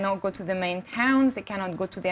mengalami kegiatan di kota utama